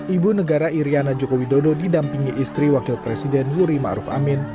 ibu negara iryana joko widodo didampingi istri wakil presiden wuri ma'ruf amin